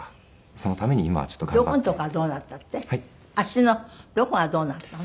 足のどこがどうなったの？